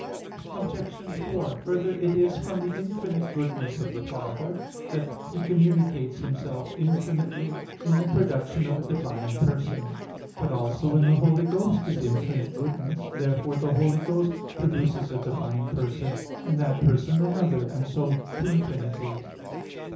Obj. 4: Further, it is from the infinite goodness of the Father that He communicates Himself infinitely in the production of a divine person. But also in the Holy Ghost is infinite goodness. Therefore the Holy Ghost produces a divine person; and that person another; and so to infinity.